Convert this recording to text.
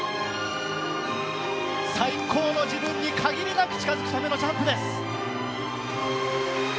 最高の自分に限りなく近付くためのジャンプです。